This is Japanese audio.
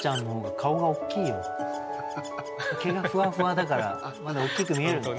毛がふわふわだからまだ大きく見える。